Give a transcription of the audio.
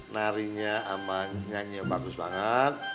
narinya sama nyanyi yang bagus banget